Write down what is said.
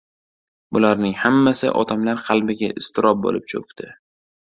Bularning hammasi odamlar qalbiga iztirob bo‘lib cho‘kdi.